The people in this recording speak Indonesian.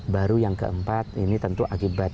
baru yang keempat ini tentu akibat